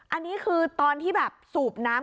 อันนี้คือตอนที่แบบสูบน้ำ